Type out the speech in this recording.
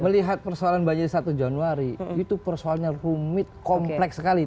melihat persoalan banjir satu januari itu persoalannya rumit kompleks sekali